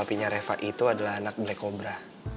tapinya reva itu adalah anak black cobra